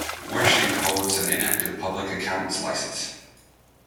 Wersching holds an inactive public accountant's license.